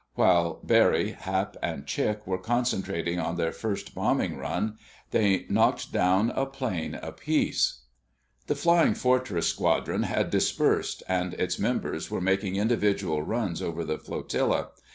While Barry, Hap and Chick were concentrating on their first bombing run, they knocked down a plane apiece. The Flying Fortress squadron had dispersed, and its members were making individual runs over the flotilla.